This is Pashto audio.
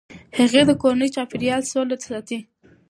هغې د کورني چاپیریال سوله ساتي.